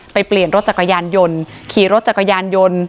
เปลี่ยนรถจักรยานยนต์ขี่รถจักรยานยนต์